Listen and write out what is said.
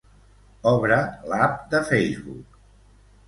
Obre l'app de Facebook.